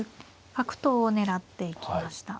角頭を狙っていきました。